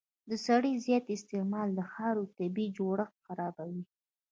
د سرې زیات استعمال د خاورې طبیعي جوړښت خرابوي.